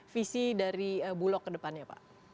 visi dari bulog kedepannya pak